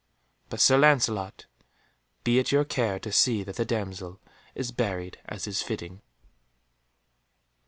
But, Sir Lancelot, be it your care to see that the damsel is buried as is fitting."